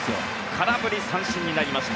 空振り三振になりました。